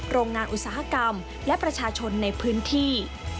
โรงงานอุตสาหกรรมและประชาชนในพื้นที่